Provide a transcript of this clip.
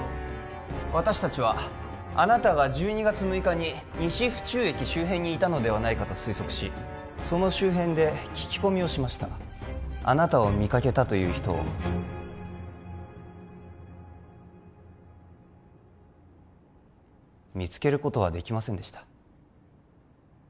私達はあなたが１２月６日に西府中駅周辺にいたのではないかと推測しその周辺で聞き込みをしましたあなたを見かけたという人を見つけることはできませんでした